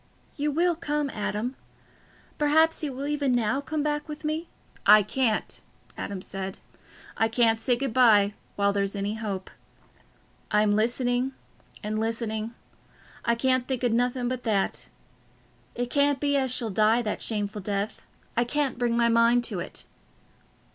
You will come, Adam? Perhaps you will even now come back with me." "I can't," Adam said. "I can't say good bye while there's any hope. I'm listening, and listening—I can't think o' nothing but that. It can't be as she'll die that shameful death—I can't bring my mind to it."